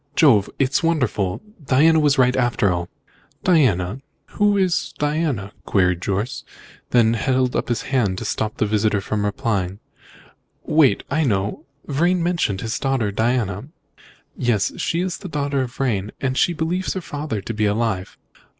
Jove! it's wonderful! Diana was right, after all!" "Diana? Who is Diana?" queried Jorce, then held up his hand to stop his visitor from replying. "Wait! I know! Vrain mentioned his daughter Diana." "Yes, she is the daughter of Vrain, and she believes her father to be alive."